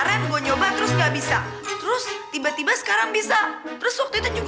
iya asik asik asik asik